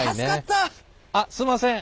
あっすんません。